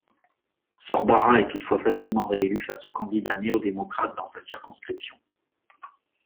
Sorbara est toutefois facilement réélu face au candidat néo-démocrate dans sa circonscription.